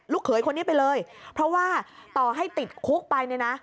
เขยคนนี้ไปเลยเพราะว่าต่อให้ติดคุกไปเนี่ยนะ